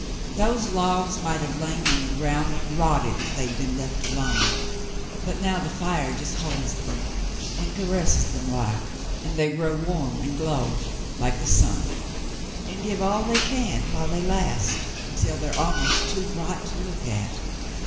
Those logs might have lain on the ground and rotted if they'd been left alone, but now the fire just holds them and caresses them like, and they grow warm and glow like the sun, and give all they can while they last, until they're almost too bright to look at.